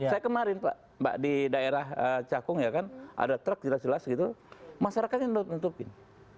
saya kemarin mbak di daerah cakung ya kan ada truk jelas jelas gitu masyarakatnya nutupin